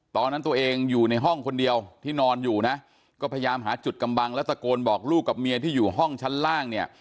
ตอนนั้นตัวเองอยู่ในห้องคนเดียวที่นอนอยู่นะก็พยายามหาจุดกำบังแล้วตะโกนบอกลูกกับเมียที่อยู่ห้องชั้นล่างเนี่ย